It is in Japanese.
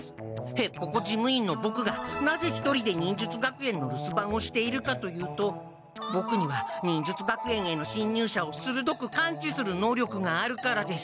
へっぽこ事務員のボクがなぜ一人で忍術学園の留守番をしているかというとボクには忍術学園へのしんにゅう者をするどく感知する能力があるからです。